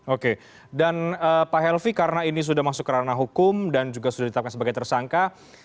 oke dan pak helvi karena ini sudah masuk ke ranah hukum dan juga sudah ditetapkan sebagai tersangka